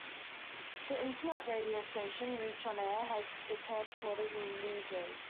The internet radio station Reach OnAir has its headquarters in Newbury.